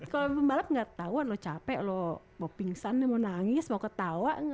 kalau pembalap gak ketauan lo capek lo mau pingsan mau nangis mau ketawa